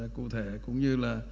cụ thể cũng như là